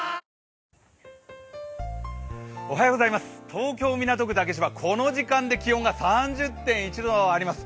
東京・港区竹芝、この時間で気温が３０．１度あります。